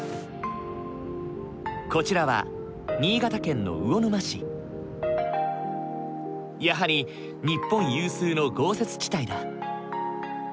こちらはやはり日本有数の豪雪地帯だ。